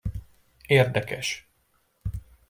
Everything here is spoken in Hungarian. Érdekes.